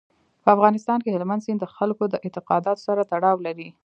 په افغانستان کې هلمند سیند د خلکو د اعتقاداتو سره تړاو لري.